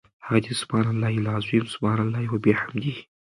هغه دي سُبْحَانَ اللَّهِ العَظِيمِ، سُبْحَانَ اللَّهِ وَبِحَمْدِهِ .